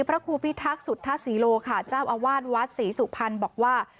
พระครูพิทักษุทธศรีโลค่ะเจ้าอาวาสวัดศรีสุพรรณบอกว่า